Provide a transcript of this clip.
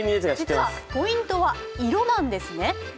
実はポイントは色なんですね。